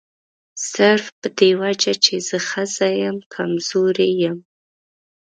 صرف په دې وجه چې زه ښځه یم کمزوري یم.